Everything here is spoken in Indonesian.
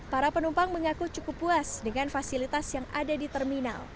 para penumpang mengaku cukup puas dengan fasilitas yang ada di terminal